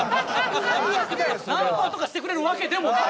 最悪だよそれ。ナンパとかしてくれるわけでもない。